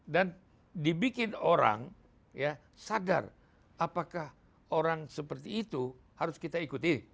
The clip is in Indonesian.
dan dibikin orang sadar apakah orang seperti itu harus kita ikuti